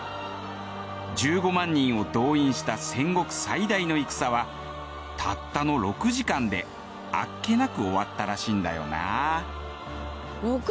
１５万人を動員した戦国最大の戦はたったの６時間であっけなく終わったらしいんだよな。